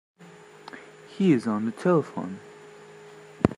He's on the telephone.